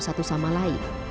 satu sama lain